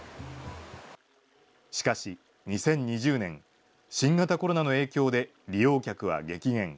しかし、２０２０年、新型コロナの影響で利用客は激減。